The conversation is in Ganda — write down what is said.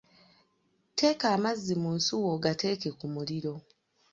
Teka amazzi mu nsuwa ogateeke ku muliro